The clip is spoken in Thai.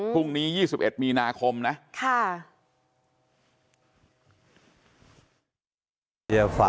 พรุ่งนี้๒๑มีนาคมนะ